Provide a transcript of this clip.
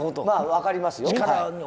まあ分かりますよ。